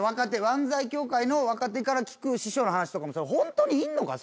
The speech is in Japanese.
漫才協会の若手から聞く師匠の話とかホントにいんのか？